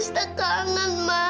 sita kangen ma